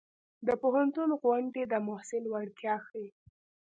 د پوهنتون غونډې د محصل وړتیا ښيي.